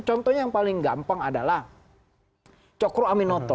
contohnya yang paling gampang adalah cokro aminoto